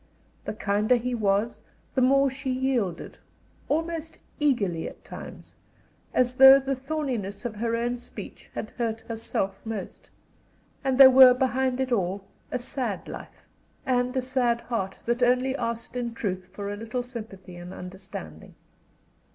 The kinder he was, the more she yielded, almost eagerly at times, as though the thorniness of her own speech had hurt herself most, and there were behind it all a sad life, and a sad heart that only asked in truth for a little sympathy and understanding.